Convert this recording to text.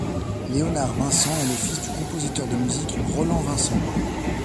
Léonard Vincent est le fils du compositeur de musique Roland Vincent.